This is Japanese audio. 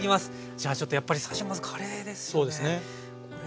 じゃあちょっとやっぱり最初まずカレーですよね。